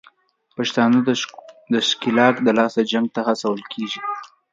پښتانه د ښکېلاک دلاسه جنګ ته هڅول کېږي